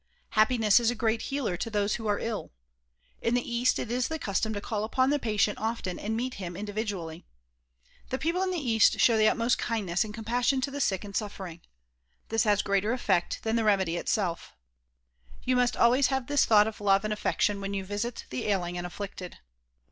Happiness is a great healer to those who are ill. In the east it is the custom to call upon the patient often and meet him individually. The people in the east show the utmost kindness and compassion to the sick and suffering. This has greater effect than the remedy itself. You must always have this thought of love and affection when you visit the ailing and afflicted.